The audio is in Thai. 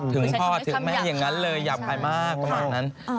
ถึงพ่อถึงแม่อย่างนั้นเลยหยาบคายมากประมาณนั้น